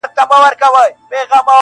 • پرون یې بیا له هغه ښاره جنازې وایستې -